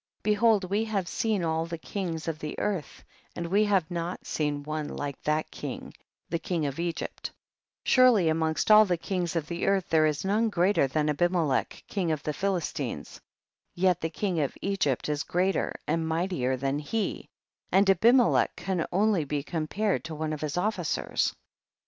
behold we have seen all the kings of the earth and we have not seen one like that king, the king of Egypt; surely amongst all the kings of the earth there is none greater than Abimelech king of the Philistines, yet the king of Egypt is greater and mightier than he, and Abimelech can only be compared to one of his officers.